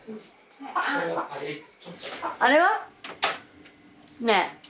あれは？ねえ。